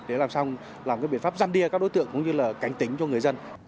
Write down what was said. để làm biện pháp giăn đia các đối tượng cũng như là cánh tính cho người dân